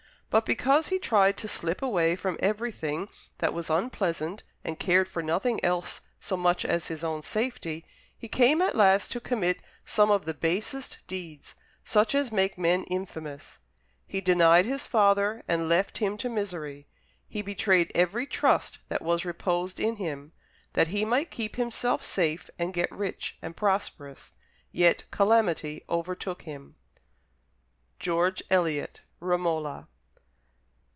But because he tried to slip away from everything that was unpleasant, and cared for nothing else so much as his own safety, he came at last to commit some of the basest deeds such as make men infamous. He denied his father, and left him to misery; he betrayed every trust that was reposed in him, that he might keep himself safe and get rich and prosperous. Yet calamity overtook him." George Eliot: "Romola."